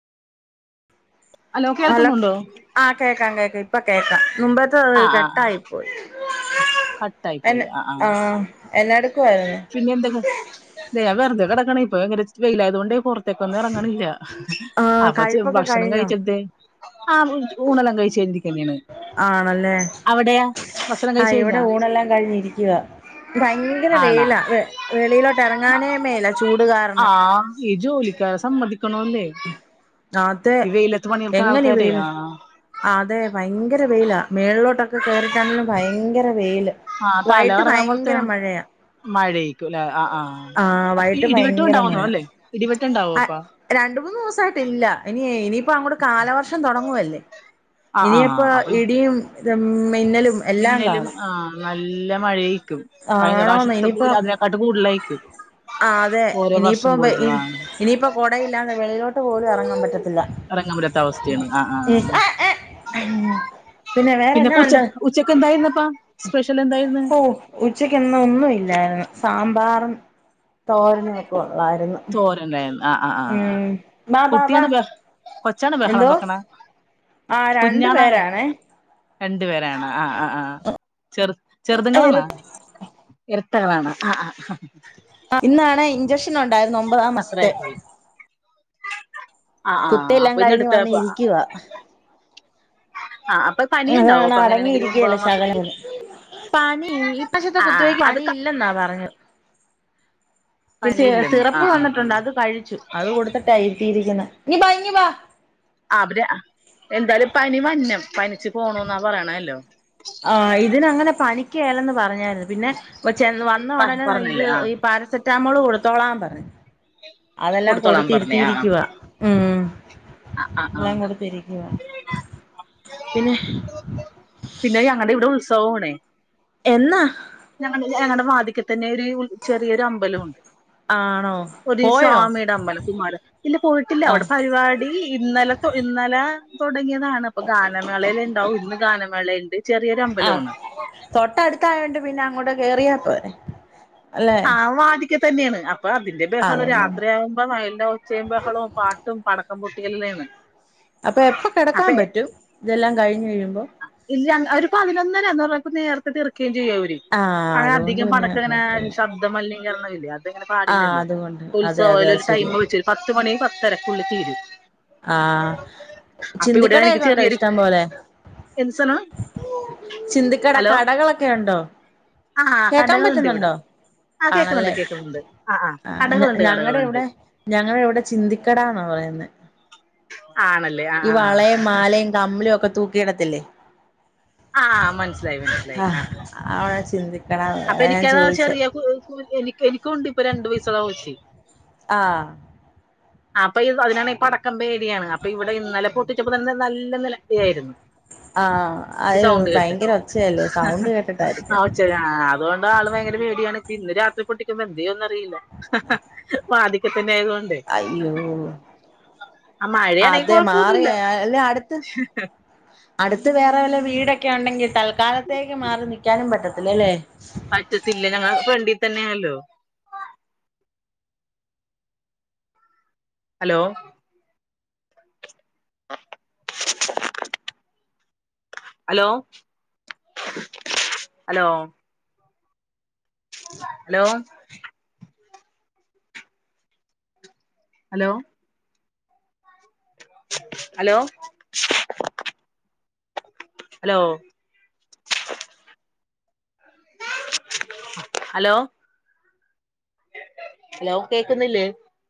hello കേൾക്കുന്നുണ്ടോ ആഹ് കേക്കാം കേക്കാം ഇപ്പ കേക്കാം മുമ്പത്ത അത് ആഹ് ആഹ് കട്ടായി പോയി കട്ടായി എന്ന പോയില്ലേ ആഹ് എന്നാട്ക്കുവാര്ന്നു പിന്നെന്തക്കാ ദെ ഞാ വെർതെ കടക്ക്ണെ ഇപ്പ ഇങ്ങന വെയ്ലായതോണ്ടെ പൊർ തേക്കൊന്നും എറങ്ങ്ണില്ല ആ അപ്പ ച്ച് കഴിപ്പൊക്കെ ഭക്ഷണം കഴിഞ്ഞോ കഴിച്ച തെ [unintelligible] ഊണെല്ലാം കഴിച്ച് കയിഞ്ഞ് രിക്കന്നെണ് ആണല്ലേ ആഹ് കഴിച്ച് ഇവിടെ കഴിഞ്ഞാ ഊണെല്ലാം കഴിഞ്ഞ് ഇരിക്കുവാ ഭയങ്കര ആണാ വെയ്ല വെ വെളിയിലോട്ട് എറങ്ങാനേ മേല ചൂട് കാരണം ആഹ് ഈ ജോലിക്കാരെ സമ്മതിക്കണ്ണം ല്ലേ അതെ ഈ വെയ്ലത്ത് പണിട്ക്ക്ണ ആൾക്കാരെ ആഹ് ആഹ് അതെ ഭയങ്കര വെയിലാ മേളിലോട്ടൊക്കെ കേറിട്ടന്നെ ഭയങ്കര വെയില് ആഹ് തല വൈകിട്ട് കറങ്ങണ ഭയങ്കര അപ്പോത്തിനും മഴയാ മഴയ്ക്കും ല്ലേ ആഹ് ആഹ് ആ അ ഈ വൈകിട്ട് ഇടിവെട്ടു ഭയങ്കര ഉണ്ടാവുന്നു മഴ അല്ലേ ഇടിവെട്ടം ണ്ടാവോ അപ്പ രണ്ട് മൂന്ന് ദിവസായി ട്ടില്ല ഇനി ഇനിയിപ്പ അങ്ങോട്ട് കാലവർഷം തുടങ്ങുവല്ലേ ആഹ് ഇനിയി ആഹ് പ്പോ അപ്പൊ ഇടിയും മിന്നലും എല്ലാം മിന്നലും കാണും ആഹ് നല്ല മഴയ്ക്കും കഴഞ്ഞ ആണോന്ന് പ്രാവശ്യത്തെ പോലെ അതിനെക്കാട്ട് കൂടുലായി പോയി ആഹ് അതെ ഇനിയിപ്പോ ഇനി ഇനിയിപ്പോ കൊടയില്ലാതെ വെളിയിലോട്ട് പോലും എറങ്ങാൻ പറ്റത്തില്ല ഇറങ്ങാൻ പറ്റാത്ത അവസ്ഥയെണ് ആഹ് ആഹ് ആഹ് ആഹ് പിന്നെ വേറെന്നാ പ്പം ഉച്ച ഉണ്ട് ഉച്ചക്ക് എന്തായിരുന്നപ്പം സ്പെഷ്യൽ എന്തായിരുന്ന് ഉച്ചക്കിന്ന് ഒന്നും ഇല്ലാരുന്ന് സാമ്പാറും തോരനും ഒക്കെ ഒള്ളാരുന്ന് [unintelligible] ആഹ് ആഹ് ആഹ് ബാ ബാ ബാ കുട്ടിയാണ ബഹ് കൊച്ചാണോ ബഹളം എന്തോ വെക്കണ ആ രണ്ടു കുഞ്ഞാണാ പേരാണേ രണ്ടു പേരാണ ആഹ് ആഹ് ആഹ് ചെറു ചെറുതുങ്ങളാണോ ഇരട്ടകളാണോ ആഹ് ആഹ് ആഹ് ആഹ് ഇന്നാണെ ഇഞ്ചക്ഷൻ ഒണ്ടാരുന്ന് ഒമ്പതാം മാസത്തെ അത്രായിട്ടുള്ളൂ ആഹ് ആഹ് ആഹ് കുത്തെല്ലാം അപ്പൊ കഴിഞ്ഞ് വന്ന് ഇന്നടുത്തപ്പൊ ആഹ് ഇരിക്കുവാ ആഹ് അപ്പൊ ഉം പനിയുണ്ടാവും അതാണ് അപ്പൊ അങ്ങനെയാണെങ്കിലും അടങ്ങിയിരിക്കുകേല ഒമ്പതാം ശകലം മാസത്തില് പോലും പനി ഈ പ്രാശ്യത്തെ ആഹ് ആഹ് കുത്തിവെയ്ക്ക് അത് ക പനിയില്ല ഇല്ലെന്നാ പറഞ്ഞത് സി സി പനിയില്ലെന്ന് സിറപ്പ് ആഹ് ആഹ് തന്നിട്ടൊണ്ട് ആഹ് അത് കഴിച്ചു അത് കൊടുത്തിട്ടാ ഇരുത്തിയിരിക്കുന്ന ഇങ്ങ് ബാ ഇങ്ങ് ബാ അവര് എന്തായാലും പനി വന്നം പനിച്ച്പോണോന്നാ പറയണല്ലോ ആഹ് ഇതിനങ്ങനെ പനിക്ക്കേലന്ന് പറഞ്ഞാരുന്ന് പിന്നെ ചെ വന്ന പ ഒടനെ ഇത് പറഞ്ഞില്ലേ ആഹ് പാരസെറ്റാമോള് കൊടുത്തോളാമ്പറഞ്ഞു അതെല്ലാം കൊടുത്തോളാൻ പറഞ്ഞേ ആഹ് കൊടുത്തിരുത്തിയിരിക്കുവാ ഉം ആഹ് ആഹ് ആഹ് എല്ലാംകൊടുത്തിരിക്കുവാ പിന്നെ പിന്നെ ഞങ്ങടെ ഇവടെ ഉത്സവവാണേ എന്നാ ഞങ്ങ ഞങ്ങടെ വാതിക്കെ തന്നെ ഒരു ചെറിയൊരു അമ്പലവൊണ്ട് ആണോ ഒരു പോയോ സ്വാമിയുടെ അമ്പല [unintelligible] ഇല്ല പോയിട്ടില്ല അവിടെ ആഹ് പരിപാടി ഇന്നലെ തൊ ഇന്നലെ തൊടങ്ങിയതാണ് അപ്പൊ ഗാനമേളേല് ഉണ്ടാവും ഇന്ന് ഗാനമേളയുണ്ട് ചെറിയൊരു ആഹ് അമ്പലവാണ് തൊട്ടടുത്തായോണ്ട് പിന്നെ അങ്ങോട്ട കേറിയാ പോരെ അല്ലെ ആഹ് വാതിക്ക തന്നെയാണ് അപ്പൊ അതിന്റെ ആഹ് ബഹള അതുകൊണ്ട് രാത്രിയാവുമ്പോ [unintelligible] ഒച്ചേം ബഹളോം പാട്ടും പടക്കം പൊട്ടികലല്ലേണ് അപ്പൊ എപ്പ കെടക്കാൻ പറ്റും ഇതെല്ലാം കഴിഞ്ഞ് കഴിയുമ്പം ഒരു രണ് പതിനൊന്നര അന്നുപറഞ്ഞാ നേരത്തെ തീർക്കുകെം ചെയ്യവര് ആഹ് അങ്ങനെ അതുകൊണ്ട് അധികം പിന്നെ പടക്ക ഇങ്ങനെ കുഴപ്പമില്ല ശബ്ദ മലിനീകരണംമില്ലേ അത് അതിങ്ങനെ ആഹ് പാടില്ലല്ലോ അതുകൊണ്ട് അതെ അതെ ഉത്സവൽ അത് ഒരു ടൈമ് ശരിയാ വെച്ച പത്ത് മണി പത്തരക്കുള്ളിൽ തീരും ആഹ് അപ്പൊ ചിന്തിക്കടയൊക്കെ ഒണ്ടോ ഇഷ്ടം പോലെ എന്ത്സാന ചിന്തിക്കട കടകളൊക്കെ ഒണ്ടോ ആ കേക്കാൻ കടകളുണ്ട് ഇവിടെ പറ്റുന്നുണ്ടോ ആ കേക്കുന്നുണ്ട് ആണല്ലേ കേക്കുന്നുണ്ട് ആ കടകളുണ്ട് ഞങ്ങടെ കടകളുണ്ട് ഇവിടെ ഞങ്ങള ഇവിടെ ചിന്തിക്കടാ എന്നാ പറയുന്നെ ആണല്ലേ ആ ഈ ആ വളയും മാലയും കമ്മലും ഒക്കെ തൂക്കിയിടത്തില്ലേ ആഹ് മനസ്സിലായി മനസ്സിലായി ആഹ് ആഹ് അവടെ ചിന്തി അപ്പൊ എനിക്ക് അതാ ചെറിയ കു എനി എനിക്കുവൊണ്ട് ഇപ്പൊ രണ്ടു വയസൊള്ള കൊച്ച് ആഹ് ആഹ് അപ്പൊ ഇ അതിനാണെ പടക്കം പേടിയാണ് അപ്പൊ ഇവിടെ ഇന്നലെ പൊട്ടിച്ചപ്പോ തന്നെ നല്ല നില വിളിയാരുന്നു ആഹ് ഈ അയ്യോ സൗണ്ട് കേട്ടിട്ട് ഭയങ്കര ഒച്ചയല്ലേ സൗണ്ട് [unintelligible] കേട്ടിട്ടായിരിക്കും അതുകൊണ്ട് ആള് ഭയങ്കര പേടിയാണ് അപ്പൊ ഇന്ന് രാത്രി പൊട്ടി ഇനിപ്പോ എന്തെയ്യുംന്ന് അറിയില്ല വാതിക്കത്തന്നെ ആയതുകൊണ്ട് അയ്യോ ആ മഴയാണെങ്കിൽ അതെ മാറിയ കുഴപ്പമൊന്നുമില്ല അല്ലേ അടുത്ത് അടുത്ത് വേറെ വല്ല വീടൊക്കെ ഒണ്ടെങ്കിൽ തൽക്കാലത്തേക്ക് മാറി നിക്കാനും പറ്റത്തില്ലല്ലേ പറ്റത്തില്ല ഞങ്ങളെ ഫ്രണ്ടീ തന്നെ ആണല്ലോ hello hello hello hello hello hello hello hello hello കേക്കുന്നില്ലേ